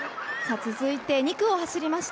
続いて２区を走りました